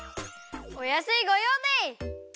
おやすいごようでい！